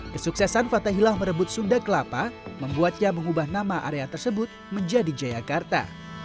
kesuksesan fathahillah merebut sunda kelapa membuatnya mengubah nama area tersebut menjadi jayakarta